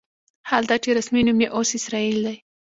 حال دا چې رسمي نوم یې اوس اسرائیل دی.